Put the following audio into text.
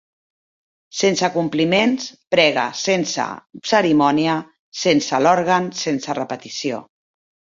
Sense compliments, prega sense cerimònia, sense l'òrgan, sense repetició